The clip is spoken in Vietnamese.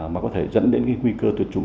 mà có thể dẫn đến cái nguy cơ tuyệt chủng